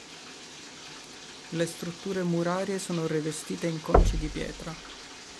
Le strutture murarie sono rivestite in conci di pietra.